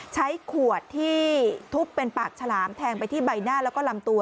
ใช้ขวดที่ทุบเป็นปากฉลามแทงไปที่ใบหน้าแล้วก็ลำตัว